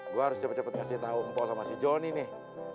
gue harus cepet cepet kasih tau empok sama si jonny nih